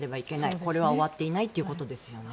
これは終わっていないということですよね。